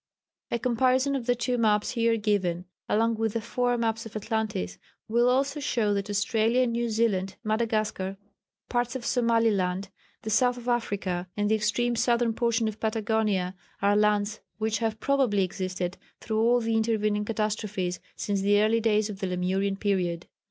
A comparison of the two maps here given, along with the four maps of Atlantis, will also show that Australia and New Zealand, Madagascar, parts of Somaliland, the south of Africa, and the extreme southern portion of Patagonia are lands which have probably existed through all the intervening catastrophes since the early days of the Lemurian period.